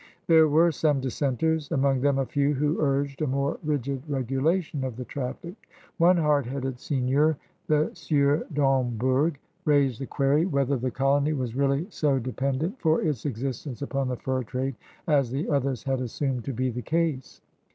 There were some dissenters, among them a few who urged a more rigid regulation of the traffic. One hard headed seigneur, the Sieur Dombourg, raised the query whether the colony was really so depen 176 CRUSADERS OF NEW FRANCE dent for iU existence upon the fur trade as the others had assumed to be the case.